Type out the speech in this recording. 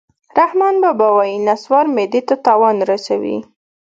رحمان بابا وایي: نصوار معدې ته تاوان رسوي